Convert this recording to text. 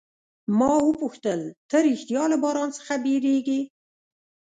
ما وپوښتل، ته ریښتیا له باران څخه بیریږې؟